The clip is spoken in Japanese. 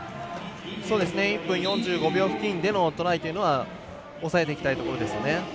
１分４５秒付近でのトライというのは抑えていきたいところですね。